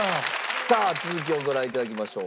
さあ続きをご覧いただきましょう。